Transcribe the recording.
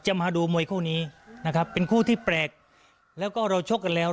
มาดูมวยคู่นี้นะครับเป็นคู่ที่แปลกแล้วก็เราชกกันแล้ว